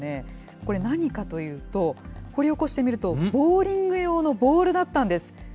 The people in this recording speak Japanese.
これ、何かというと、掘り起こしてみると、ボウリング用のボールだったんです。